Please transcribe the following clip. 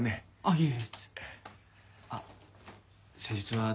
いえ。